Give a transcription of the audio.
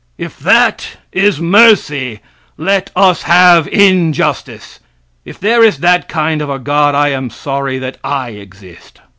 If that is mercy, let us have injustice. If there is that kind of a God I am sorry that I exist.